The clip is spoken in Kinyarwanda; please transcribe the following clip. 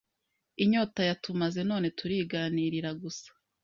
Inyota yatumaze none turiganirira gusa